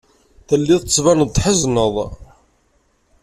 Telliḍ tettbaneḍ-d tḥezneḍ.